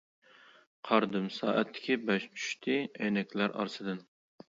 قارىدىم سائەتتىكى بەش چۈشتى ئەينەكلەر ئارىسىدىن.